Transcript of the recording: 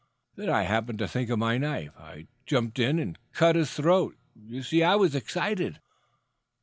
Then I happened to think of my knife. I jumped in and cut his throat. You see, I was excited."